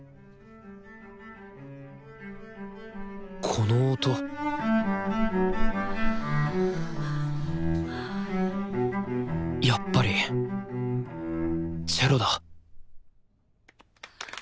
この音やっぱりチェロだ